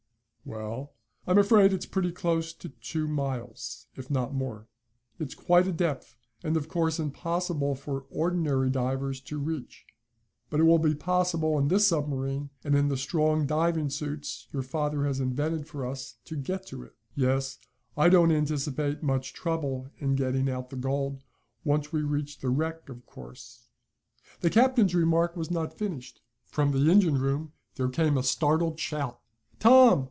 "Well, I'm afraid it's pretty close to two miles, if not more. It's quite a depth, and of course impossible for ordinary divers to reach. But it will be possible in this submarine and in the strong diving suits your father has invented for us to get to it. Yes, I don't anticipate much trouble in getting out the gold, once we reach the wreck of course " The captain's remark was not finished. From the engine room there came a startled shout: "Tom!